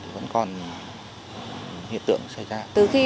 thì vẫn còn hiện tượng xảy ra